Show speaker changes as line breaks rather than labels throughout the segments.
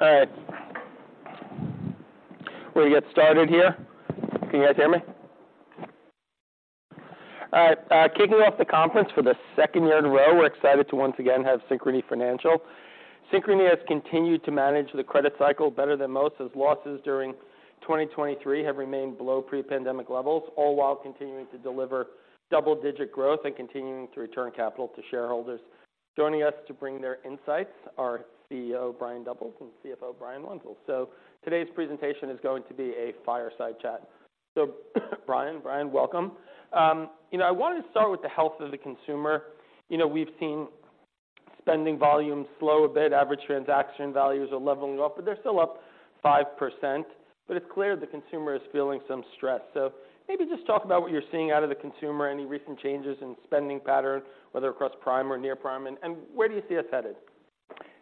All right. We'll get started here. Can you guys hear me? All right, kicking off the conference for the second year in a row, we're excited to once again have Synchrony Financial. Synchrony has continued to manage the credit cycle better than most, as losses during 2023 have remained below pre-pandemic levels, all while continuing to deliver double-digit growth and continuing to return capital to shareholders. Joining us to bring their insights are CEO Brian Doubles and CFO Brian Wenzel. So today's presentation is going to be a fireside chat. So Brian, Brian, welcome. You know, I wanted to start with the health of the consumer. You know, we've seen spending volumes slow a bit. Average transaction values are leveling off, but they're still up 5%. But it's clear the consumer is feeling some stress. So maybe just talk about what you're seeing out of the consumer, any recent changes in spending patterns, whether across prime or near prime, and, and where do you see us headed?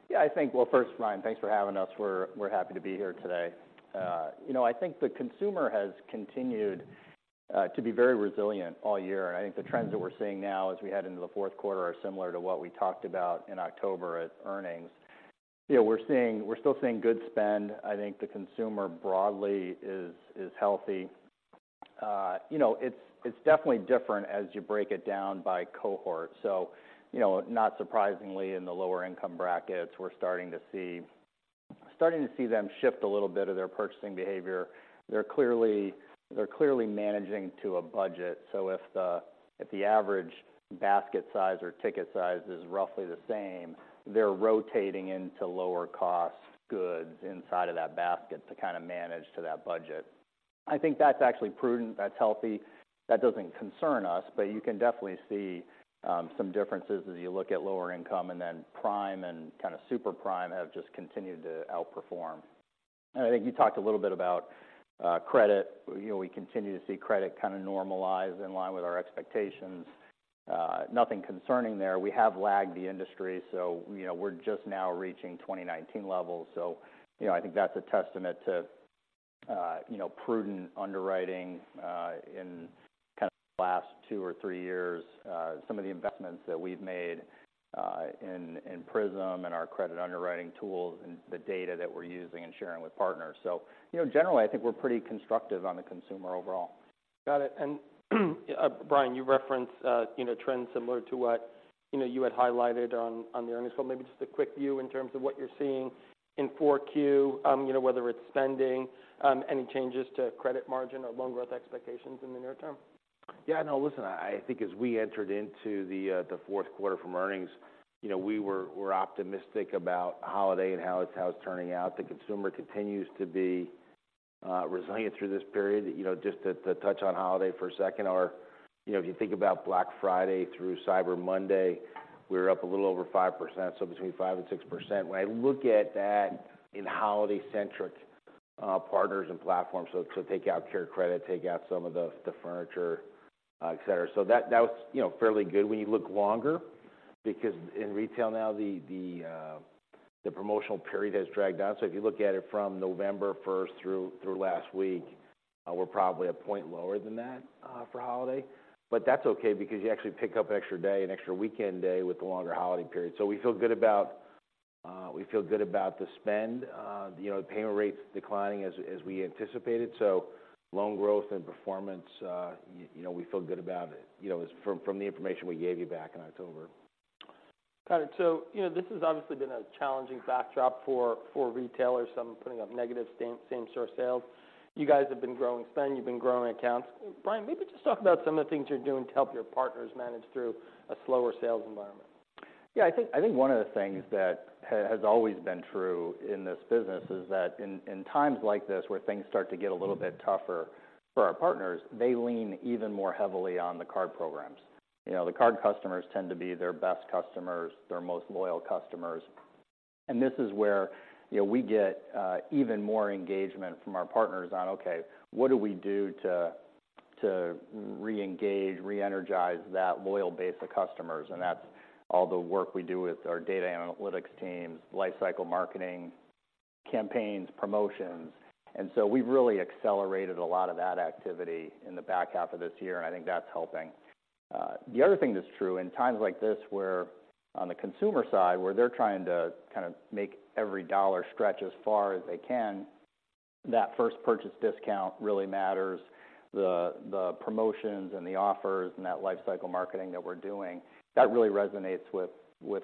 Yeah, I think... Well, first, Ryan, thanks for having us. We're happy to be here today. You know, I think the consumer has continued to be very resilient all year, and I think the trends that we're seeing now as we head into the fourth quarter are similar to what we talked about in October at earnings. You know, we're seeing - we're still seeing good spend. I think the consumer broadly is healthy. You know, it's definitely different as you break it down by cohort. So, you know, not surprisingly, in the lower income brackets, we're starting to see them shift a little bit of their purchasing behavior. They're clearly managing to a budget. So if the average basket size or ticket size is roughly the same, they're rotating into lower cost goods inside of that basket to kind of manage to that budget. I think that's actually prudent, that's healthy. That doesn't concern us, but you can definitely see some differences as you look at lower income and then prime and kind of super prime have just continued to outperform. And I think you talked a little bit about credit. You know, we continue to see credit kind of normalize in line with our expectations. Nothing concerning there. We have lagged the industry, so, you know, we're just now reaching 2019 levels. So, you know, I think that's a testament to, you know, prudent underwriting, in kind of the last two or three years, some of the investments that we've made, in PRISM and our credit underwriting tools and the data that we're using and sharing with partners. So, you know, generally, I think we're pretty constructive on the consumer overall.
Got it. And, Brian, you referenced, you know, trends similar to what, you know, you had highlighted on, on the earnings call. Maybe just a quick view in terms of what you're seeing in 4Q, you know, whether it's spending, any changes to credit margin or loan growth expectations in the near term.
Yeah, no, listen, I think as we entered into the fourth quarter from earnings, you know, we were- we're optimistic about holiday and how it's turning out. The consumer continues to be resilient through this period. You know, just to touch on holiday for a second, you know, if you think about Black Friday through Cyber Monday, we're up a little over 5%, so between 5% and 6%. When I look at that in holiday-centric partners and platforms, so take out CareCredit, take out some of the furniture, et cetera. So that was, you know, fairly good when you look longer, because in retail now, the promotional period has dragged on. So if you look at it from November first through last week, we're probably a point lower than that for holiday. But that's okay because you actually pick up an extra day, an extra weekend day with the longer holiday period. So we feel good about, we feel good about the spend, you know, the payment rates declining as we anticipated. So loan growth and performance, you know, we feel good about it. You know, as from the information we gave you back in October.
Got it. So, you know, this has obviously been a challenging backdrop for retailers, some putting up negative same-store sales. You guys have been growing spend, you've been growing accounts. Brian, maybe just talk about some of the things you're doing to help your partners manage through a slower sales environment.
Yeah, I think, I think one of the things that has, has always been true in this business is that in, in times like this, where things start to get a little bit tougher for our partners, they lean even more heavily on the card programs. You know, the card customers tend to be their best customers, their most loyal customers. And this is where, you know, we get even more engagement from our partners on, okay, what do we do to, to reengage, reenergize that loyal base of customers? And that's all the work we do with our data analytics teams, lifecycle marketing, campaigns, promotions. And so we've really accelerated a lot of that activity in the back half of this year, and I think that's helping. The other thing that's true, in times like this, where on the consumer side, where they're trying to kind of make every dollar stretch as far as they can, that first purchase discount really matters. The promotions and the offers and that lifecycle marketing that we're doing, that really resonates with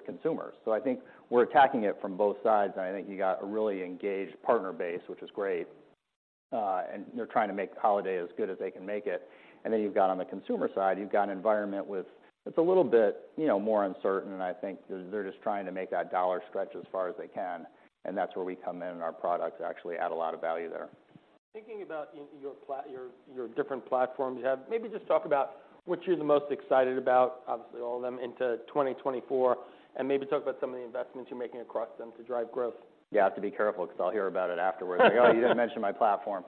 consumers. So I think we're attacking it from both sides, and I think you got a really engaged partner base, which is great, and they're trying to make holiday as good as they can make it. And then you've got on the consumer side, you've got an environment with... It's a little bit, you know, more uncertain, and I think they're just trying to make that dollar stretch as far as they can, and that's where we come in, and our products actually add a lot of value there.
Thinking about your, your different platforms you have, maybe just talk about what you're the most excited about, obviously all of them, into 2024, and maybe talk about some of the investments you're making across them to drive growth.
Yeah, I have to be careful because I'll hear about it afterwards. "Oh, you didn't mention my platform."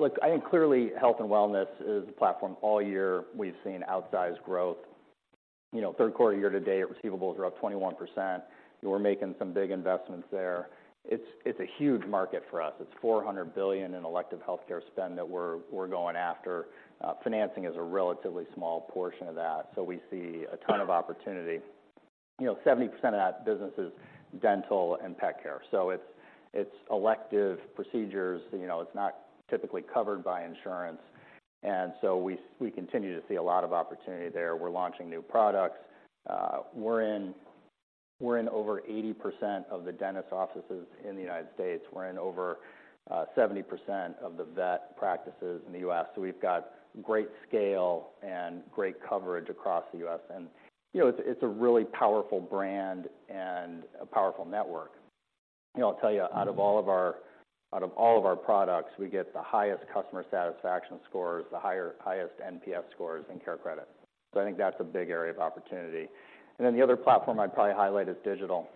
Look, I think clearly, health and wellness is the platform. All year, we've seen outsized growth. You know, third quarter year to date, receivables are up 21%. We're making some big investments there. It's a huge market for us. It's $400 billion in elective healthcare spend that we're going after. Financing is a relatively small portion of that, so we see a ton of opportunity... you know, 70% of that business is dental and pet care. So it's elective procedures, you know, it's not typically covered by insurance, and so we continue to see a lot of opportunity there. We're launching new products. We're in over 80% of the dentist offices in the United States. We're in over 70% of the vet practices in the U.S. So we've got great scale and great coverage across the U.S., and, you know, it's, it's a really powerful brand and a powerful network. You know, I'll tell you, out of all of our, out of all of our products, we get the highest customer satisfaction scores, the higher- highest NPS scores in CareCredit. So I think that's a big area of opportunity. And then the other platform I'd probably highlight is digital.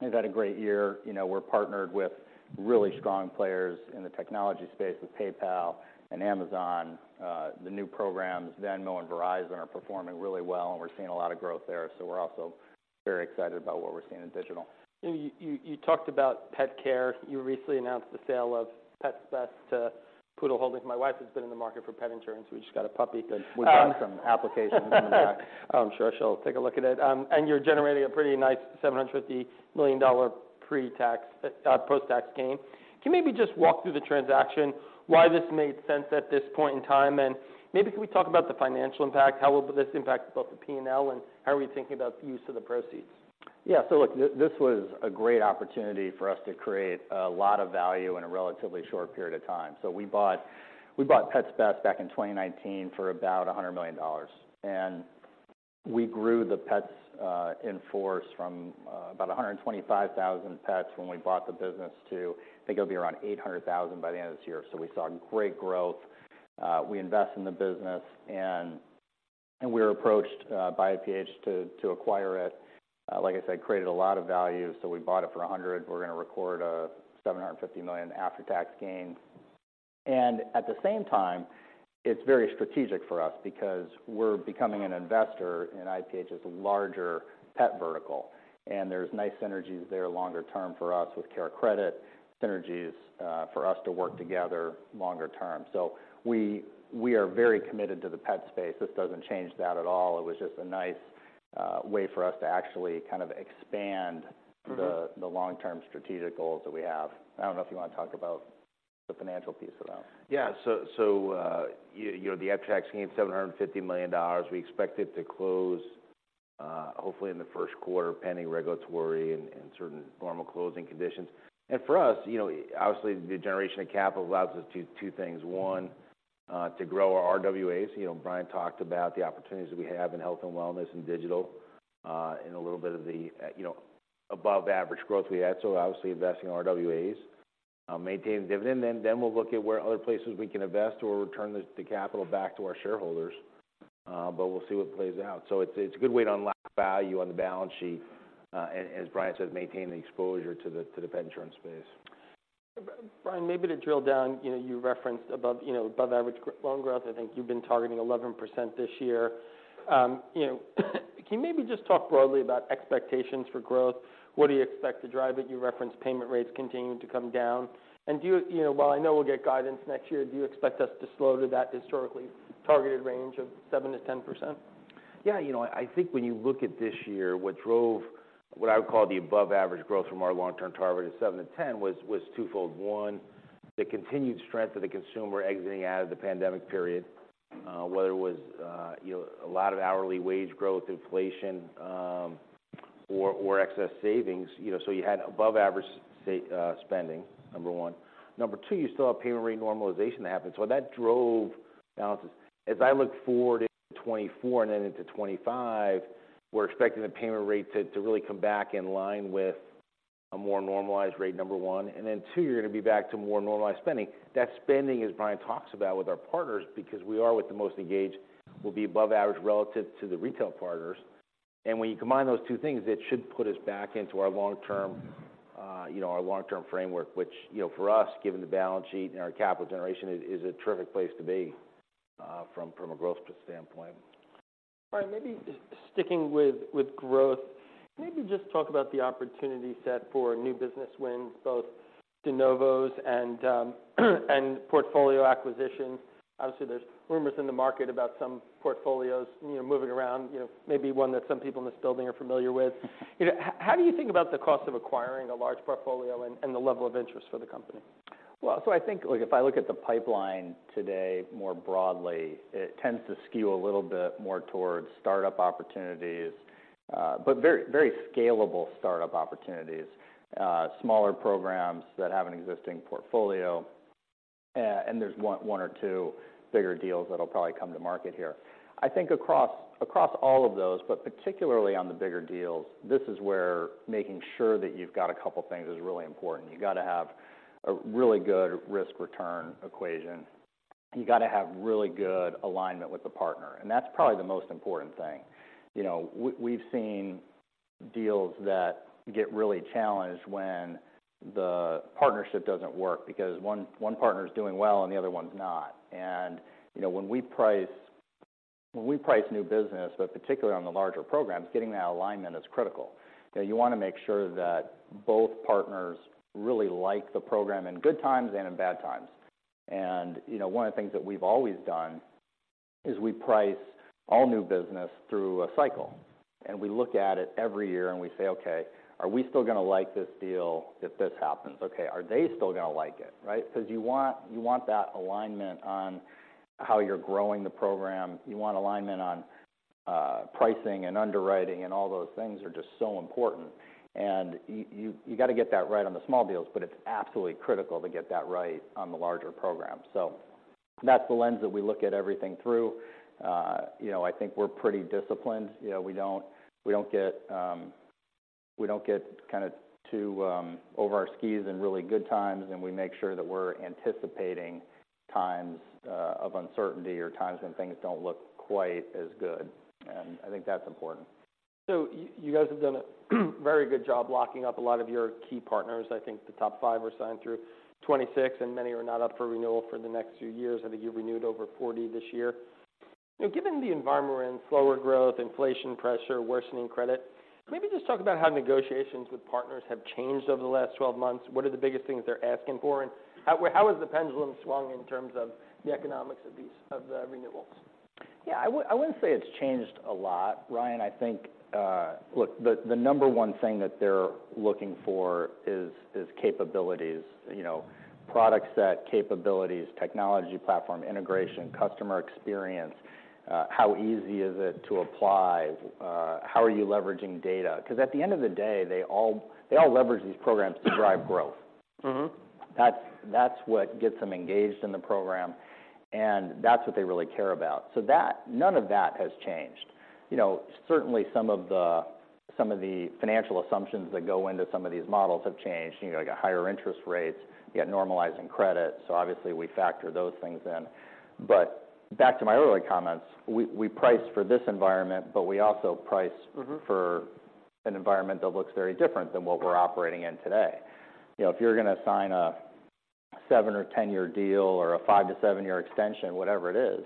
We've had a great year. You know, we're partnered with really strong players in the technology space, with PayPal and Amazon. The new programs, Venmo and Verizon, are performing really well, and we're seeing a lot of growth there. So we're also very excited about what we're seeing in digital.
You talked about pet care. You recently announced the sale of Pets Best to Poodle Holdings. My wife has been in the market for pet insurance. We just got a puppy.
We've got some applications in the back.
I'm sure she'll take a look at it. You're generating a pretty nice $750 million pre-tax, post-tax gain. Can you maybe just walk through the transaction, why this made sense at this point in time? Maybe can we talk about the financial impact? How will this impact both the P&L, and how are we thinking about the use of the proceeds?
Yeah. So look, this was a great opportunity for us to create a lot of value in a relatively short period of time. So we bought Pets Best back in 2019 for about $100 million. And we grew the pets in force from about 125,000 pets when we bought the business to, I think it'll be around 800,000 by the end of this year. So we saw great growth. We invest in the business, and we were approached by IPH to acquire it. Like I said, created a lot of value, so we bought it for a 100. We're going to record a $750 million after-tax gain. And at the same time, it's very strategic for us because we're becoming an investor in IPH's larger pet vertical, and there's nice synergies there longer term for us with CareCredit, synergies for us to work together longer term. So we, we are very committed to the pet space. This doesn't change that at all. It was just a nice way for us to actually kind of expand-
Mm-hmm...
the long-term strategic goals that we have. I don't know if you want to talk about the financial piece of that.
Yeah. So, you know, the after-tax gain, $750 million. We expect it to close, hopefully in the first quarter, pending regulatory and certain normal closing conditions. And for us, you know, obviously, the generation of capital allows us to do two things: one, to grow our RWAs. You know, Brian talked about the opportunities that we have in health and wellness and digital, and a little bit of the above-average growth we had. So obviously, investing in RWAs, maintain the dividend, and then we'll look at where other places we can invest or return the capital back to our shareholders, but we'll see what plays out. So it's a good way to unlock value on the balance sheet, and as Brian said, maintain the exposure to the pet insurance space.
Brian, maybe to drill down, you know, you referenced above, you know, above average loan growth. I think you've been targeting 11% this year. You know, can you maybe just talk broadly about expectations for growth? What do you expect to drive it? You referenced payment rates continuing to come down. And do you—you know, while I know we'll get guidance next year, do you expect us to slow to that historically targeted range of 7%-10%?
Yeah, you know, I think when you look at this year, what drove what I would call the above-average growth from our long-term target of 7-10 was twofold: one, the continued strength of the consumer exiting out of the pandemic period, whether it was, you know, a lot of hourly wage growth, inflation, or excess savings. You know, so you had above-average spending, number one. Number two, you still have payment rate normalization to happen. So that drove balances. As I look forward into 2024 and then into 2025, we're expecting the payment rate to really come back in line with a more normalized rate, number one. And then two, you're going to be back to more normalized spending. That spending, as Brian talks about with our partners, because we are with the most engaged, will be above average relative to the retail partners. And when you combine those two things, it should put us back into our long-term, you know, our long-term framework, which, you know, for us, given the balance sheet and our capital generation, is a terrific place to be, from a growth standpoint.
All right, maybe just sticking with growth, maybe just talk about the opportunity set for new business wins, both de novo and portfolio acquisitions. Obviously, there's rumors in the market about some portfolios, you know, moving around, you know, maybe one that some people in this building are familiar with. You know, how do you think about the cost of acquiring a large portfolio and the level of interest for the company?
Well, so I think, like, if I look at the pipeline today, more broadly, it tends to skew a little bit more towards startup opportunities, but very, very scalable startup opportunities, smaller programs that have an existing portfolio, and there's one or two bigger deals that'll probably come to market here. I think across all of those, but particularly on the bigger deals, this is where making sure that you've got a couple things is really important. You've got to have a really good risk-return equation. You've got to have really good alignment with the partner, and that's probably the most important thing. You know, we've seen deals that get really challenged when the partnership doesn't work because one partner is doing well and the other one's not. And you know, when we price, when we price new business, but particularly on the larger programs, getting that alignment is critical. You know, you want to make sure that both partners really like the program in good times and in bad times. And you know, one of the things that we've always done is we price all new business through a cycle, and we look at it every year, and we say: "Okay, are we still gonna like this deal if this happens? Okay, are they still gonna like it?" Right? 'Cause you want, you want that alignment on how you're growing the program. You want alignment on, pricing and underwriting, and all those things are just so important. And you gotta get that right on the small deals, but it's absolutely critical to get that right on the larger program. So that's the lens that we look at everything through. You know, I think we're pretty disciplined. You know, we don't get kinda too over our skis in really good times, and we make sure that we're anticipating times of uncertainty or times when things don't look quite as good, and I think that's important.
So you guys have done a very good job locking up a lot of your key partners. I think the top five are signed through 2026, and many are not up for renewal for the next few years. I think you've renewed over 40 this year. Now, given the environment we're in, slower growth, inflation pressure, worsening credit, maybe just talk about how negotiations with partners have changed over the last 12 months. What are the biggest things they're asking for, and how has the pendulum swung in terms of the economics of these of the renewals?
Yeah, I wouldn't say it's changed a lot, Ryan. I think. Look, the number one thing that they're looking for is capabilities. You know, products, capabilities, technology, platform, integration, customer experience, how easy is it to apply, how are you leveraging data? 'Cause at the end of the day, they all leverage these programs to drive growth.
Mm-hmm.
That's, that's what gets them engaged in the program, and that's what they really care about. So that, none of that has changed. You know, certainly, some of the, some of the financial assumptions that go into some of these models have changed. You know, you got higher interest rates, you got normalizing credit, so obviously, we factor those things in. But back to my earlier comments, we, we price for this environment, but we also price-
Mm-hmm...
for an environment that looks very different than what we're operating in today. You know, if you're gonna sign a 7- or 10-year deal or a 5-7-year extension, whatever it is,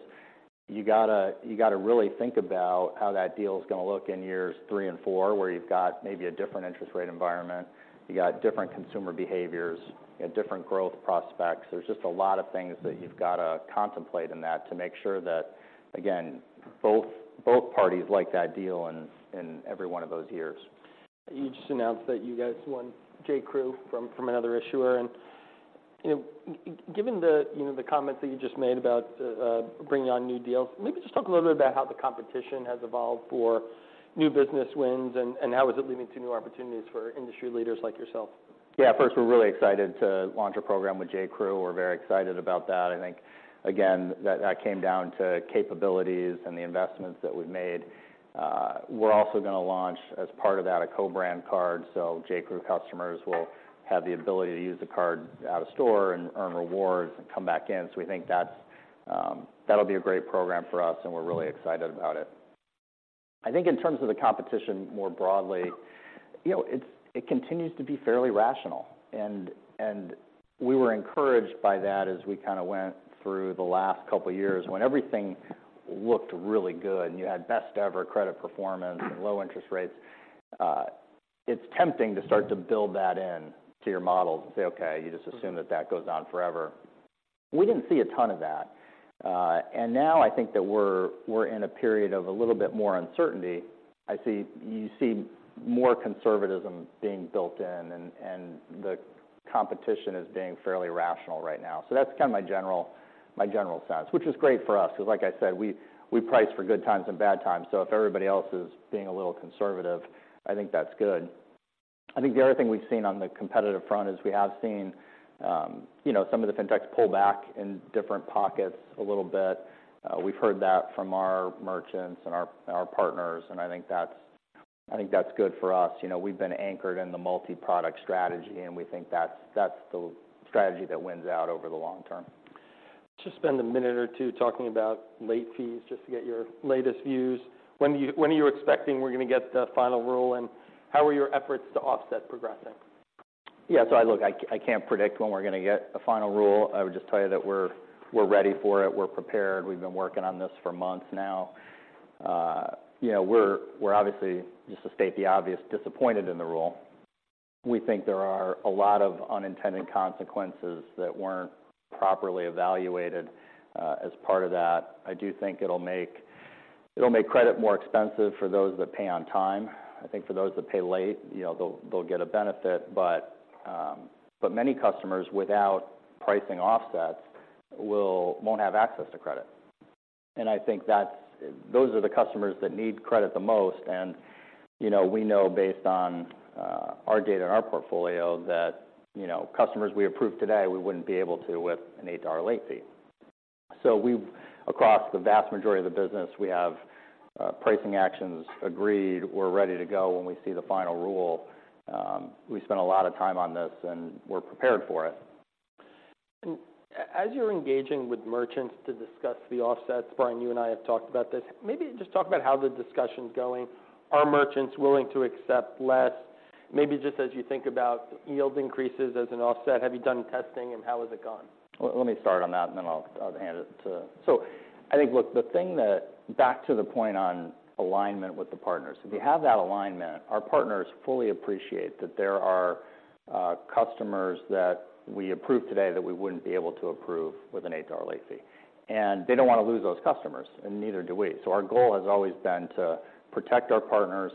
you gotta, you gotta really think about how that deal's gonna look in years 3 and 4, where you've got maybe a different interest rate environment, you got different consumer behaviors, you got different growth prospects. There's just a lot of things that you've gotta contemplate in that to make sure that, again, both, both parties like that deal in, in every one of those years.
You just announced that you guys won J.Crew from another issuer. You know, given the, you know, the comments that you just made about bringing on new deals, maybe just talk a little bit about how the competition has evolved for new business wins, and how is it leading to new opportunities for industry leaders like yourself?
Yeah. First, we're really excited to launch a program with J.Crew. We're very excited about that. I think, again, that, that came down to capabilities and the investments that we've made. We're also gonna launch, as part of that, a co-brand card, so J.Crew customers will have the ability to use the card out-of-store and earn rewards and come back in. So we think that's, that'll be a great program for us, and we're really excited about it. I think in terms of the competition, more broadly, you know, it's it continues to be fairly rational, and, and we were encouraged by that as we kinda went through the last couple of years. When everything looked really good, and you had best-ever credit performance and low interest rates, it's tempting to start to build that in to your models and say, "Okay," you just assume that that goes on forever. We didn't see a ton of that, and now I think that we're in a period of a little bit more uncertainty. You see more conservatism being built in, and the competition is being fairly rational right now. So that's kind of my general sense, which is great for us, 'cause like I said, we price for good times and bad times. So if everybody else is being a little conservative, I think that's good. I think the other thing we've seen on the competitive front is we have seen, you know, some of the fintechs pull back in different pockets a little bit. We've heard that from our merchants and our partners, and I think that's good for us. You know, we've been anchored in the multi-product strategy, and we think that's the strategy that wins out over the long term.
Just spend a minute or two talking about late fees, just to get your latest views. When are you expecting we're gonna get the final rule, and how are your efforts to offset progressing?
Yeah. So look, I can't predict when we're gonna get a final rule. I would just tell you that we're ready for it. We're prepared. We've been working on this for months now. You know, we're obviously, just to state the obvious, disappointed in the rule. We think there are a lot of unintended consequences that weren't properly evaluated. As part of that, I do think it'll make credit more expensive for those that pay on time. I think for those that pay late, you know, they'll get a benefit, but many customers without pricing offsets won't have access to credit. I think that's those are the customers that need credit the most, and, you know, we know, based on our data and our portfolio, that, you know, customers we approve today, we wouldn't be able to with an $8 late fee. We've across the vast majority of the business, we have pricing actions agreed. We're ready to go when we see the final rule. We spent a lot of time on this, and we're prepared for it.
As you're engaging with merchants to discuss the offsets, Brian, you and I have talked about this, maybe just talk about how the discussion's going. Are merchants willing to accept less? Maybe just as you think about yield increases as an offset, have you done testing, and how has it gone?
Well, let me start on that, and then I'll hand it to... So I think, look, back to the point on alignment with the partners. If you have that alignment, our partners fully appreciate that there are customers that we approve today that we wouldn't be able to approve with an $8 late fee. And they don't want to lose those customers, and neither do we. So our goal has always been to protect our partners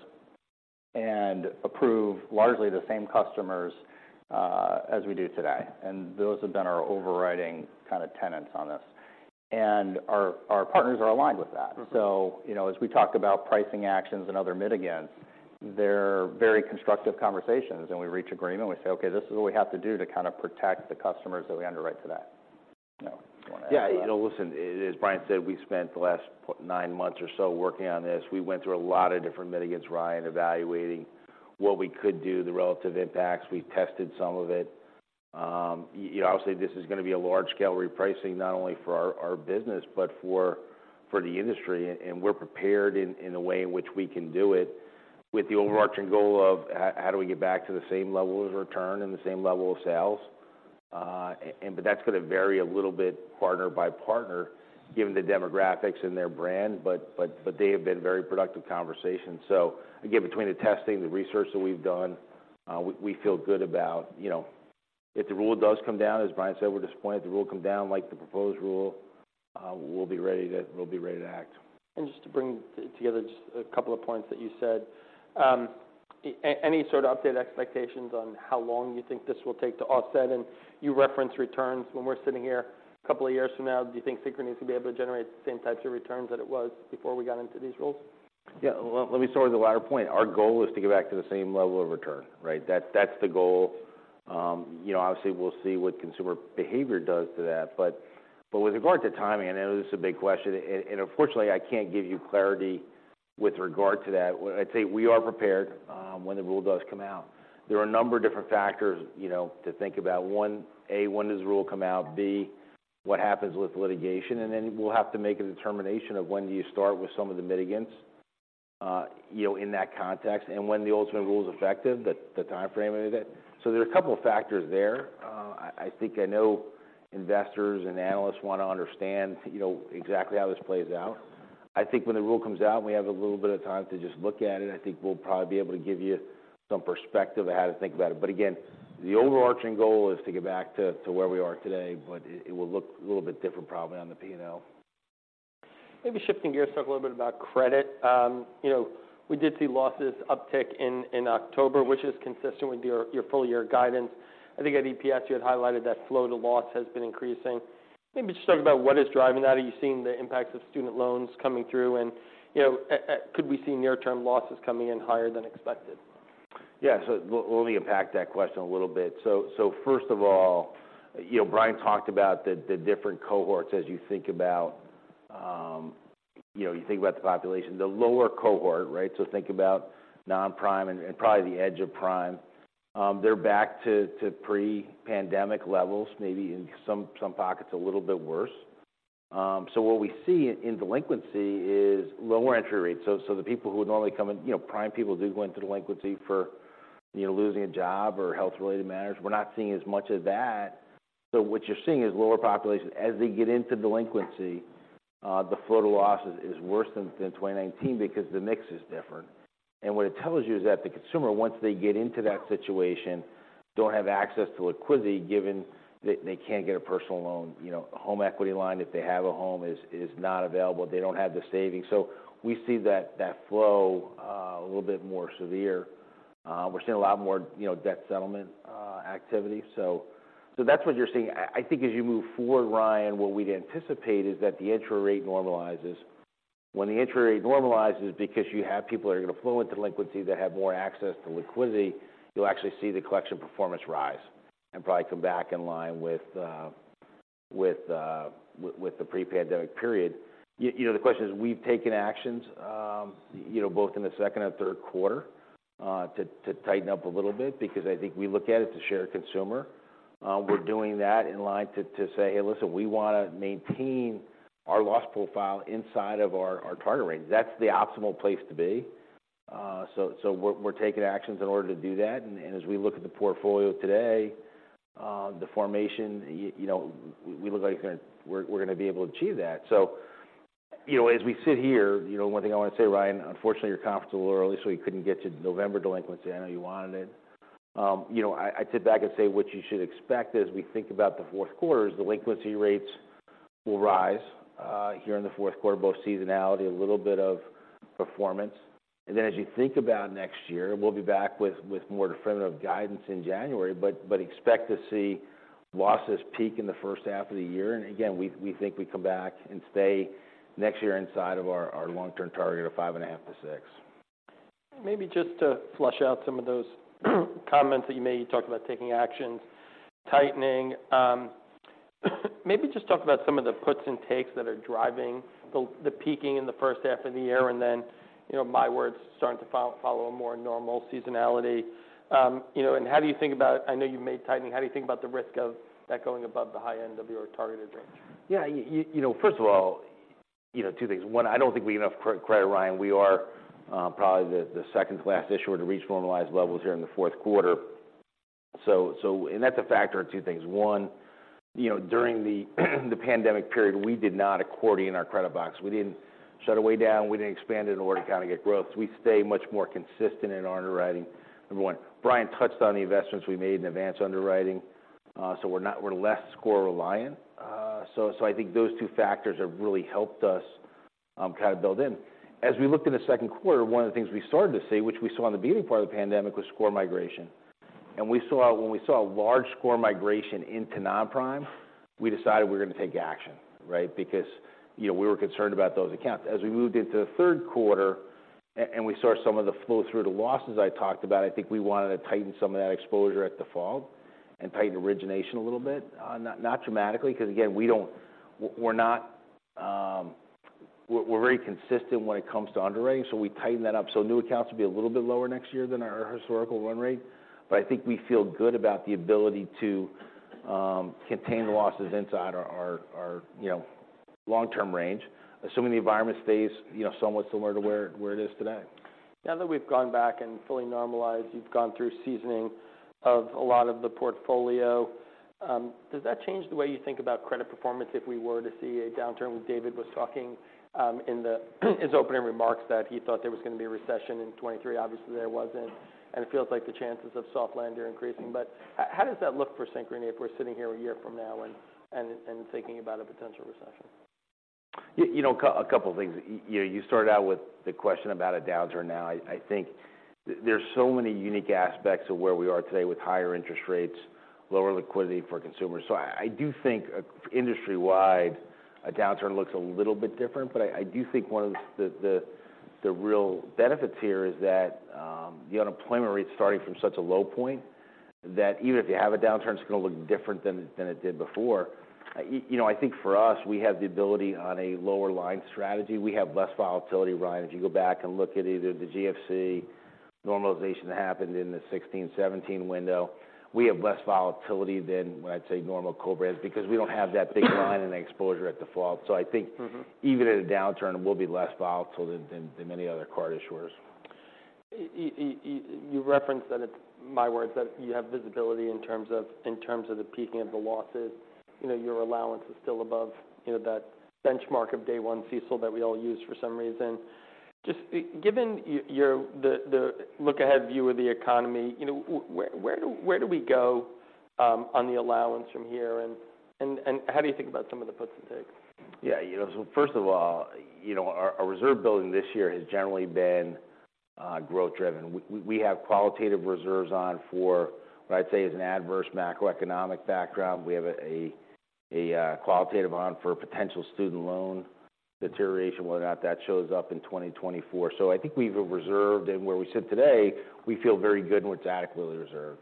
and approve largely the same customers as we do today, and those have been our overriding kind of tenets on this. And our partners are aligned with that.
Mm-hmm.
So, you know, as we talk about pricing actions and other mitigants, they're very constructive conversations, and we reach agreement. We say: Okay, this is what we have to do to kind of protect the customers that we underwrite today. You know, want to add to that?
Yeah, you know, listen, as Brian said, we've spent the last nine months or so working on this. We went through a lot of different mitigants, Ryan, evaluating what we could do, the relative impacts. We tested some of it. You know, obviously, this is going to be a large-scale repricing, not only for our, our business, but for, for the industry. And we're prepared in, in a way in which we can do it, with the overarching goal of how do we get back to the same level of return and the same level of sales? And but that's going to vary a little bit, partner by partner, given the demographics and their brand, but, but, but they have been very productive conversations. So again, between the testing, the research that we've done, we, we feel good about... You know, if the rule does come down, as Brian said, we're disappointed. If the rule come down, like the proposed rule, we'll be ready to act.
Just to bring together just a couple of points that you said. Any sort of updated expectations on how long you think this will take to offset? And you referenced returns. When we're sitting here a couple of years from now, do you think Synchrony needs to be able to generate the same types of returns that it was before we got into these rules?
Yeah, well, let me start with the latter point. Our goal is to get back to the same level of return, right? That- that's the goal. You know, obviously, we'll see what consumer behavior does to that. But with regard to timing, I know this is a big question, and unfortunately, I can't give you clarity with regard to that. What I'd say, we are prepared when the rule does come out. There are a number of different factors, you know, to think about. One, A, when does the rule come out? B, what happens with litigation? And then we'll have to make a determination of when do you start with some of the mitigants, you know, in that context, and when the ultimate rule is effective, the timeframe of it. So there are a couple of factors there. I think I know investors and analysts want to understand, you know, exactly how this plays out. I think when the rule comes out, and we have a little bit of time to just look at it, I think we'll probably be able to give you some perspective of how to think about it. But again, the overarching goal is to get back to where we are today, but it will look a little bit different, probably on the P&L.
Maybe shifting gears, talk a little bit about credit. You know, we did see losses uptick in October, which is consistent with your full year guidance. I think at EPS, you had highlighted that flow to loss has been increasing. Maybe just talk about what is driving that. Are you seeing the impacts of student loans coming through? And, you know, could we see near-term losses coming in higher than expected?
Yeah. So let me unpack that question a little bit. So, first of all, you know, Brian talked about the different cohorts as you think about, you know, you think about the population. The lower cohort, right? So think about non-prime and, and probably the edge of prime. They're back to pre-pandemic levels, maybe in some pockets, a little bit worse. So what we see in delinquency is lower entry rates. So, the people who would normally come in, you know, prime people do go into delinquency for, you know, losing a job or health-related matters. We're not seeing as much of that. So what you're seeing is lower populations. As they get into delinquency, the flow to loss is worse than 2019 because the mix is different. And what it tells you is that the consumer, once they get into that situation, don't have access to liquidity, given that they can't get a personal loan. You know, a home equity line, if they have a home, is not available. They don't have the savings. So we see that flow a little bit more severe. We're seeing a lot more, you know, debt settlement activity. So that's what you're seeing. I think as you move forward, Ryan, what we'd anticipate is that the entry rate normalizes. When the entry rate normalizes, because you have people that are going to flow into delinquency that have more access to liquidity, you'll actually see the collection performance rise and probably come back in line with the pre-pandemic period. You know, the question is, we've taken actions, you know, both in the second and third quarter, to tighten up a little bit because I think we look at it to share consumer. We're doing that in line to say: Hey, listen, we want to maintain our loss profile inside of our target range. That's the optimal place to be. So we're taking actions in order to do that. And as we look at the portfolio today, the formation, you know, we look like we're going to be able to achieve that. So, you know, as we sit here, you know, one thing I want to say, Ryan, unfortunately, you're comfortable early, so we couldn't get to November delinquency. I know you wanted it. You know, I'd sit back and say what you should expect as we think about the fourth quarter is delinquency rates will rise here in the fourth quarter, both seasonality, a little bit of performance. And then, as you think about next year, we'll be back with more definitive guidance in January, but expect to see losses peak in the first half of the year. And again, we think we come back and stay next year inside of our long-term target of 5.5%-6%.
Maybe just to flesh out some of those comments that you made. You talked about taking actions, tightening. Maybe just talk about some of the puts and takes that are driving the, the peaking in the first half of the year, and then, you know, my words, starting to follow a more normal seasonality. You know, and how do you think about... I know you made tightening. How do you think about the risk of that going above the high end of your targeted range?
Yeah, you know, first of all, you know, two things. One, I don't think we have enough credit, Ryan. We are probably the second-to-last issuer to reach normalized levels here in the fourth quarter. So, and that's a factor of two things. One, you know, during the pandemic period, we did not accordion our credit box. We didn't shut our way down, we didn't expand it in order to kind of get growth. We stay much more consistent in our underwriting, number one. Brian touched on the investments we made in advance underwriting. So we're not. We're less score reliant. So, I think those two factors have really helped us, kind of build in. As we looked in the second quarter, one of the things we started to see, which we saw on the beginning part of the pandemic, was score migration. And when we saw a large score migration into non-prime, we decided we were gonna take action, right? Because, you know, we were concerned about those accounts. As we moved into the third quarter and we saw some of the flow-through to losses I talked about, I think we wanted to tighten some of that exposure at default and tighten origination a little bit. Not dramatically, because, again, we don't we're not, we're, we're very consistent when it comes to underwriting, so we tighten that up. So new accounts will be a little bit lower next year than our historical run rate. But I think we feel good about the ability to contain the losses inside our you know long-term range, assuming the environment stays you know somewhat similar to where it is today.
Now that we've gone back and fully normalized, you've gone through seasoning of a lot of the portfolio, does that change the way you think about credit performance if we were to see a downturn, which David was talking in his opening remarks, that he thought there was going to be a recession in 2023? Obviously, there wasn't, and it feels like the chances of soft land are increasing. But how does that look for Synchrony if we're sitting here a year from now and thinking about a potential recession?
You know, a couple things. You know, you started out with the question about a downturn. Now, I, I think there's so many unique aspects of where we are today with higher interest rates, lower liquidity for consumers. So I, I do think, industry-wide, a downturn looks a little bit different. But I, I do think one of the, the, the real benefits here is that, the unemployment rate is starting from such a low point, that even if you have a downturn, it's going to look different than, than it did before. You know, I think for us, we have the ability on a lower line strategy. We have less volatility, Ryan. If you go back and look at either the GFC normalization that happened in the 2016 and 2017 window, we have less volatility than, I'd say, normal co-brands, because we don't have that big line and exposure at default. So I think-
Mm-hmm.
- Even at a downturn, we'll be less volatile than many other card issuers.
You referenced that it's my words, that you have visibility in terms of, in terms of the peaking of the losses. You know, your allowance is still above, you know, that benchmark of day one CECL that we all use for some reason. Just given your look-ahead view of the economy, you know, where do we go on the allowance from here? And how do you think about some of the puts and takes?
Yeah, you know, so first of all, you know, our reserve building this year has generally been growth-driven. We have qualitative reserves on for what I'd say is an adverse macroeconomic background. We have a qualitative on for potential student loan deterioration, whether or not that shows up in 2024. So I think we've reserved, and where we sit today, we feel very good and it's adequately reserved.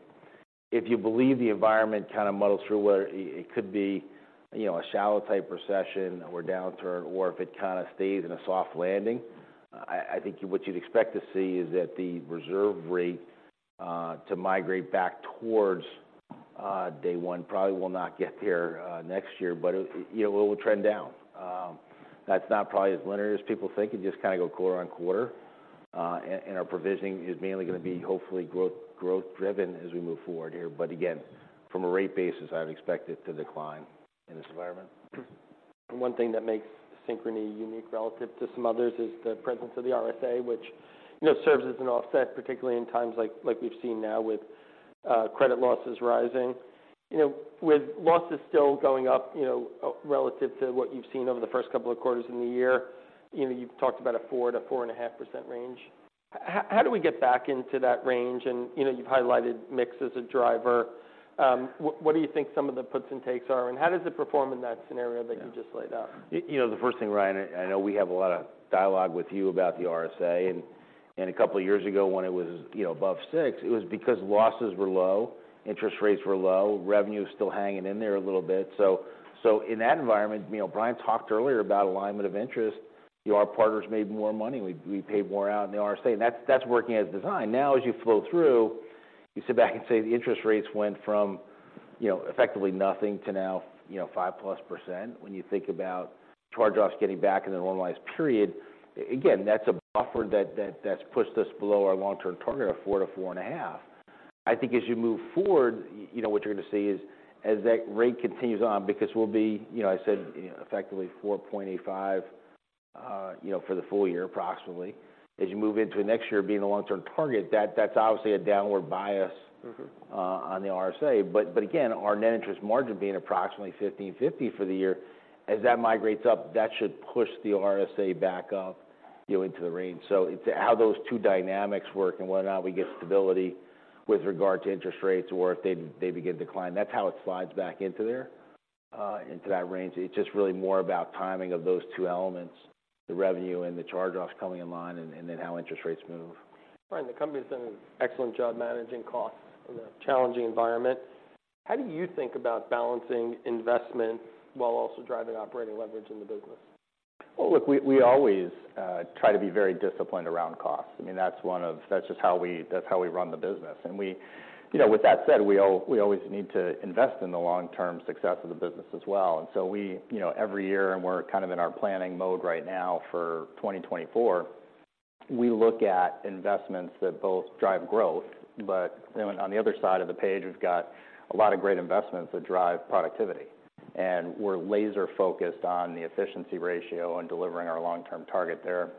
If you believe the environment kind of muddles through, whether it could be, you know, a shallow type recession or downturn, or if it kind of stays in a soft landing, I think what you'd expect to see is that the reserve rate to migrate back towards day one. Probably will not get there next year, but, you know, it will trend down. That's not probably as linear as people think. It just kind of go quarter-on-quarter. And, and our provisioning is mainly going to be hopefully growth, growth-driven as we move forward here. But again, from a rate basis, I'd expect it to decline in this environment.
One thing that makes Synchrony unique relative to some others is the presence of the RSA, which, you know, serves as an offset, particularly in times like we've seen now with credit losses rising. You know, with losses still going up, you know, relative to what you've seen over the first couple of quarters in the year, you know, you've talked about a 4%-4.5% range. How do we get back into that range? You know, you've highlighted mix as a driver. What do you think some of the puts and takes are, and how does it perform in that scenario that you just laid out?
You know, the first thing, Ryan, I know we have a lot of dialogue with you about the RSA. And a couple of years ago, when it was, you know, above 6%, it was because losses were low, interest rates were low, revenue was still hanging in there a little bit. So in that environment, you know, Brian talked earlier about alignment of interest. You know, our partners made more money. We paid more out in the RSA, and that's working as designed. Now, as you flow through, you sit back and say the interest rates went from, you know, effectively nothing to now, you know, 5%+. When you think about charge-offs getting back in the normalized period, again, that's a buffer that's pushed us below our long-term target of 4%-4.5%. I think as you move forward, you know, what you're going to see is, as that rate continues on, because we'll be, you know, I said, effectively 4.85%, you know, for the full year, approximately. As you move into next year, being a long-term target, that's obviously a downward bias-
Mm-hmm...
on the RSA. But again, our net interest margin being approximately 15.50% for the year, as that migrates up, that should push the RSA back up, you know, into the range. So it's how those two dynamics work and whether or not we get stability with regard to interest rates or if they begin to decline. That's how it slides back into there, into that range. It's just really more about timing of those two elements, the revenue and the charge-offs coming in line, and then how interest rates move.
Brian, the company's done an excellent job managing costs in a challenging environment. How do you think about balancing investment while also driving operating leverage in the business?
Well, look, we always try to be very disciplined around cost. I mean, that's one of—that's just how we run the business. And we—you know, with that said, we always need to invest in the long-term success of the business as well. And so we, you know, every year, and we're kind of in our planning mode right now for 2024. We look at investments that both drive growth, but then on the other side of the page, we've got a lot of great investments that drive productivity. And we're laser-focused on the efficiency ratio and delivering our long-term target there.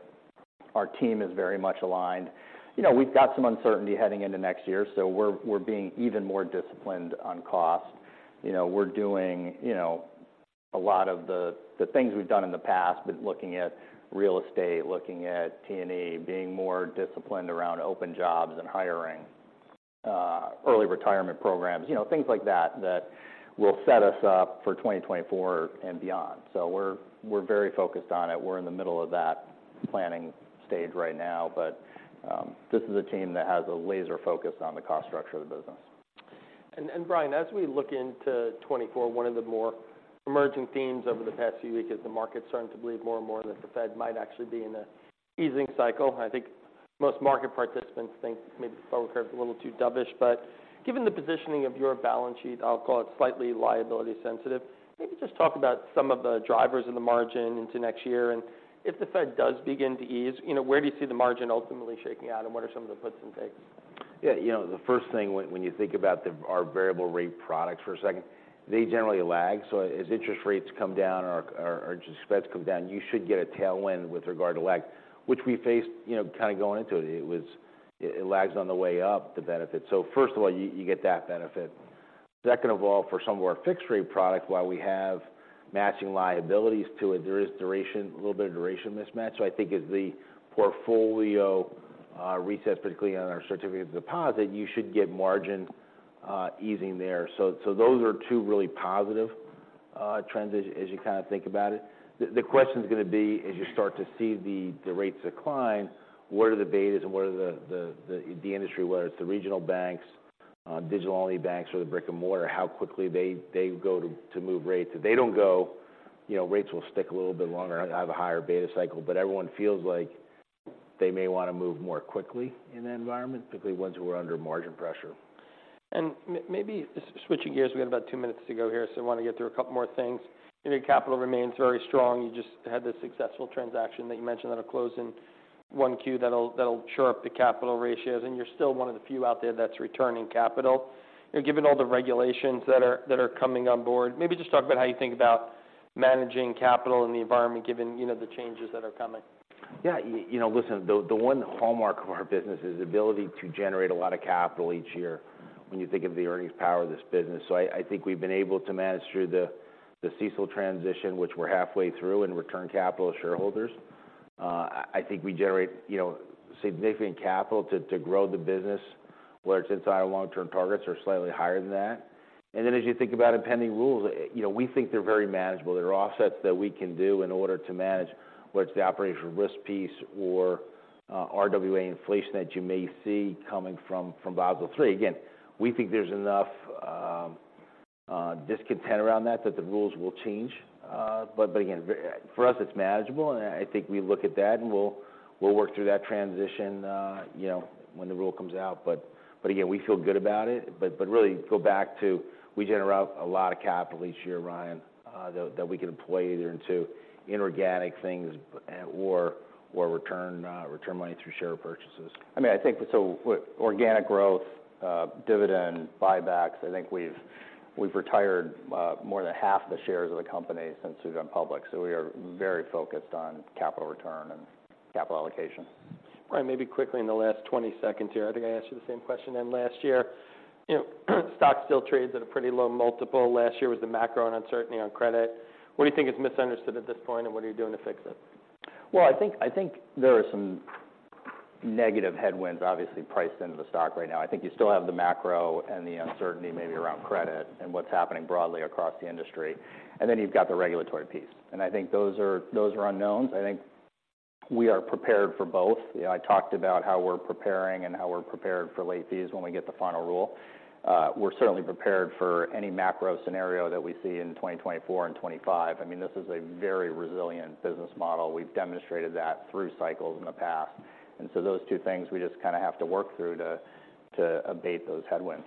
Our team is very much aligned. You know, we've got some uncertainty heading into next year, so we're being even more disciplined on cost. You know, we're doing, you know, a lot of the, the things we've done in the past, but looking at real estate, looking at T&E, being more disciplined around open jobs and hiring, early retirement programs. You know, things like that, that will set us up for 2024 and beyond. So we're, we're very focused on it. We're in the middle of that planning stage right now, but, this is a team that has a laser focus on the cost structure of the business.
Brian, as we look into 2024, one of the more emerging themes over the past few weeks is the market's starting to believe more and more that the Fed might actually be in a easing cycle. I think most market participants think maybe the Federal curve is a little too dovish. But given the positioning of your balance sheet, I'll call it slightly liability sensitive, maybe just talk about some of the drivers in the margin into next year, and if the Fed does begin to ease, you know, where do you see the margin ultimately shaking out, and what are some of the puts and takes?
Yeah, you know, the first thing when you think about our variable rate products for a second, they generally lag. So as interest rates come down or spreads come down, you should get a tailwind with regard to lag, which we faced, you know, kind of going into it. It lags on the way up, the benefit. So first of all, you get that benefit. Second of all, for some of our fixed-rate products, while we have matching liabilities to it, there is duration a little bit of duration mismatch. So I think as the portfolio resets, particularly on our certificate of deposit, you should get margin easing there. So those are two really positive trends as you kind of think about it. The question is going to be, as you start to see the rates decline, what are the betas and what are the industry, whether it's the regional banks, digital-only banks, or the brick-and-mortar, how quickly they go to move rates. If they don't go, you know, rates will stick a little bit longer and have a higher beta cycle, but everyone feels like they may want to move more quickly in that environment, particularly ones who are under margin pressure.
Maybe switching gears, we have about two minutes to go here, so I want to get through a couple more things. You know, capital remains very strong. You just had this successful transaction that you mentioned that'll close in 1Q that'll shore up the capital ratios, and you're still one of the few out there that's returning capital. You know, given all the regulations that are coming on board, maybe just talk about how you think about managing capital in the environment, given, you know, the changes that are coming.
Yeah, you know, listen, the one hallmark of our business is the ability to generate a lot of capital each year when you think of the earnings power of this business. So I think we've been able to manage through the CECL transition, which we're halfway through, and return capital to shareholders. I think we generate, you know, significant capital to grow the business, where it's inside our long-term targets or slightly higher than that. And then, as you think about impending rules, you know, we think they're very manageable. There are offsets that we can do in order to manage, whether it's the operational risk piece or RWA inflation that you may see coming from Basel III. Again, we think there's enough discontent around that, that the rules will change. But, but again, for us, it's manageable, and I think we look at that, and we'll, we'll work through that transition, you know, when the rule comes out. But, but really go back to we generate a lot of capital each year, Ryan, that, that we can employ either into inorganic things or, or return, return money through share purchases.
I mean, I think so, with organic growth, dividend, buybacks. I think we've retired more than half the shares of the company since we've gone public. So we are very focused on capital return and capital allocation.
Right. Maybe quickly in the last 20 seconds here, I think I asked you the same question then last year. You know, the stock still trades at a pretty low multiple. Last year was the macro and uncertainty on credit. What do you think is misunderstood at this point, and what are you doing to fix it?
Well, I think, I think there are some negative headwinds obviously priced into the stock right now. I think you still have the macro and the uncertainty maybe around credit and what's happening broadly across the industry. And then you've got the regulatory piece. And I think those are, those are unknowns. I think we are prepared for both. You know, I talked about how we're preparing and how we're prepared for late fees when we get the final rule. We're certainly prepared for any macro scenario that we see in 2024 and 2025. I mean, this is a very resilient business model. We've demonstrated that through cycles in the past. And so those two things we just kind of have to work through to, to abate those headwinds.